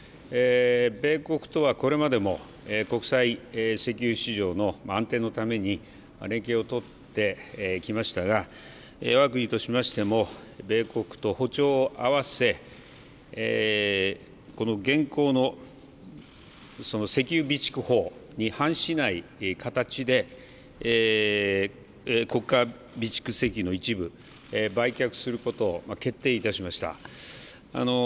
米国とはこれまでも国際石油市場の安定のために連携を取ってきましたがわが国としましても米国と歩調を合わせこの現行の石油備蓄法に反しない形で国家備蓄石油の一部、売却することを決定いたしました。